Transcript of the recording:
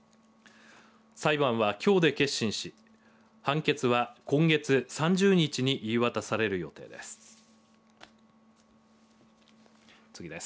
裁判は、きょうで結審し判決は今月３０日に言い渡される予定です。